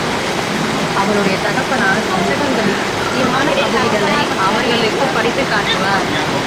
அவளுடைய தகப்பனார், புத்தகங்களின் முக்கியமான பகுதிகளை அவர்களுக்குப் படித்துக் காட்டுவார்.